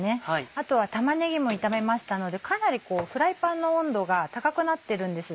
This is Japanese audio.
あとは玉ねぎも炒めましたのでかなりフライパンの温度が高くなってるんです。